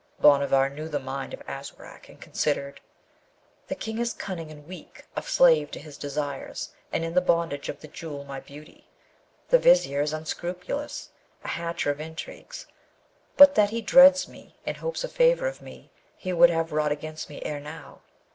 Bhanavar knew the mind of Aswarak, and considered, 'The King is cunning and weak, a slave to his desires, and in the bondage of the jewel, my beauty. The Vizier is unscrupulous, a hatcher of intrigues; but that he dreads me and hopes a favour of me, he would have wrought against me ere now.